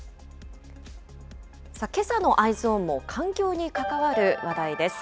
けさのＥｙｅｓｏｎも環境に関わる話題です。